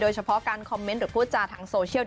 ดราม่าคนนี้น่าจะมีผลกระทบมากเลยกับชีวิต